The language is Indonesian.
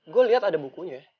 gue liat ada bukunya